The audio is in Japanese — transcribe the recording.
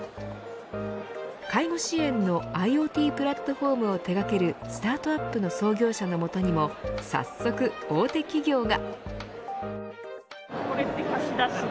介護支援のＩｏＴプラットフォームを手掛けるスタートアップの創業者の元にも早速、大手企業が。